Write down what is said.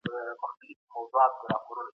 هغوی په غونډو کي یوازې په لوړ غږ نارې وهلې.